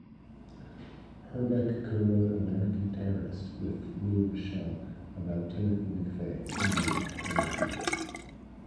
Herbeck co-wrote "American Terrorist", with Lou Michel about Timothy McVeigh, whom they interviewed.